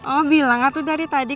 oh bilang aku dari tadi